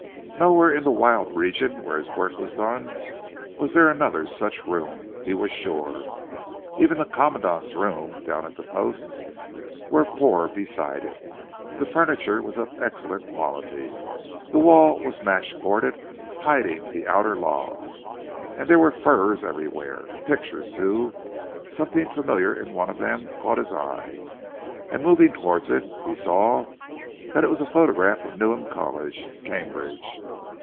Nowhere in the wild region where his work was done was there another such room, he was sure. Even the commandant's rooms down at the Post were poor beside it. The furniture was of excellent quality. The wall was match boarded, hiding the outer logs, and there were furs everywhere. Pictures too! Something familiar in one of them caught his eye, and moving towards it he saw that it was a photograph of Newham College, Cambridge.